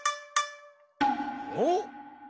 おっ！